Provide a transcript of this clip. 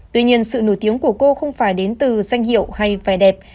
tuy nhiên sự nổi tiếng của cô không phải đến từ danh hiệu hay vẻ đẹp